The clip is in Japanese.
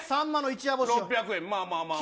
６００円、まあまあまあまあ。